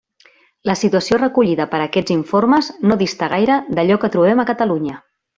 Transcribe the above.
La situació recollida per aquests informes no dista gaire d'allò que trobem a Catalunya.